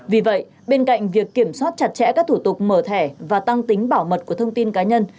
vì vậy bên cạnh việc kiểm soát chặt chẽ các thủ tục mở thẻ và tăng tính bảo mật của thông tin cá nhân